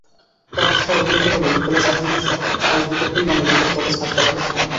অবস্থার অবনতি হলে বিকেলে জাহাঙ্গীরসহ ছয়জনকে খুলনা মেডিকেল কলেজ হাসপাতালে পাঠানো হয়।